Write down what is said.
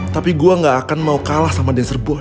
tapi gue gak akan mau kalah sama dancer boy